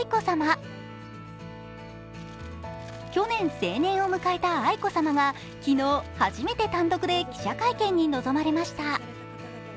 去年、成年を迎えた愛子さまが昨日、初めて単独で記者会見に臨まれました。